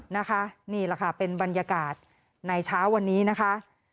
นะคะนี่แหละค่ะเป็นบรรยากาศในเช้าวันนี้นะคะ